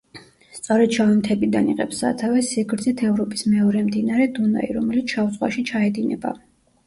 სწორედ შავი მთებიდან იღებს სათავეს სიგრძით ევროპის მეორე მდინარე დუნაი, რომელიც შავ ზღვაში ჩაედინება.